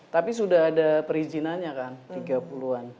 tapi sudah ada perizinannya kan tiga puluh an